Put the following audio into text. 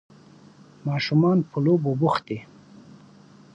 ماشومان په لوبو بوخت دي.